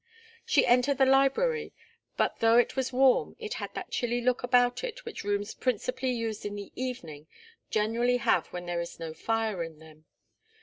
She entered the library, but though it was warm, it had that chilly look about it which rooms principally used in the evening generally have when there is no fire in them.